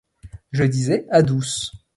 Je disais à Douce